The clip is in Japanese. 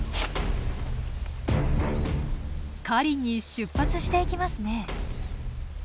狩りに出発していきますね。